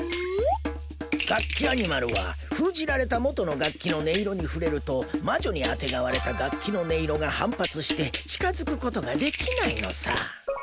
ガッキアニマルは封じられた元の楽器の音色に触れると魔女にあてがわれた楽器の音色が反発して近づく事ができないのさ。